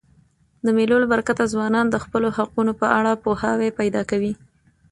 د مېلو له برکته ځوانان د خپلو حقونو په اړه پوهاوی پیدا کوي.